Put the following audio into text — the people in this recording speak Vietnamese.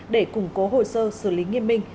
để củng cố hồ sơ xử lý nghiêm minh